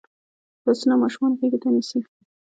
لاسونه ماشومان غېږ ته نیسي